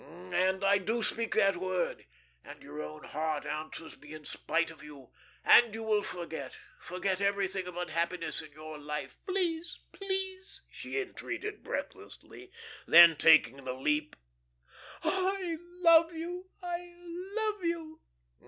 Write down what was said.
"And I do speak that word, and your own heart answers me in spite of you, and you will forget forget everything of unhappiness in your life " "Please, please," she entreated, breathlessly. Then, taking the leap: "Ah, I love you, I love you!"